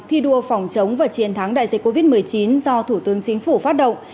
thi đua phòng chống và chiến thắng đại dịch covid một mươi chín do thủ tướng chính phủ phát động